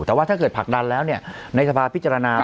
แต่ว่าถ้าเกิดผลักดันแล้วในสภาพิจารณา